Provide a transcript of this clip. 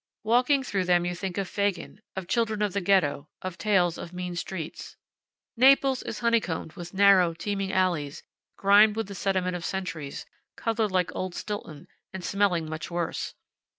Walking through them you think of Fagin, of Children of the Ghetto, of Tales of Mean Streets. Naples is honeycombed with narrow, teeming alleys, grimed with the sediment of centuries, colored like old Stilton, and smelling much worse.